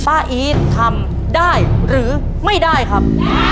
อีททำได้หรือไม่ได้ครับ